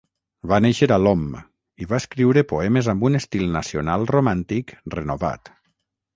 Va néixer a Lom i va escriure poemes amb un estil nacional romàntic renovat.